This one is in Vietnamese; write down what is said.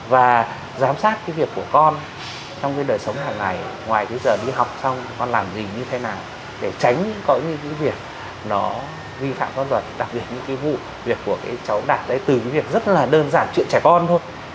và giám sát cái việc của con trong cái đời sống hàng ngày ngoài cái giờ đi học xong con làm gì như thế nào để tránh có những cái việc nó vi phạm pháp luật đặc biệt những cái vụ việc của cái cháu đạt đấy từ cái việc rất là đơn giản chuyện trẻ con thôi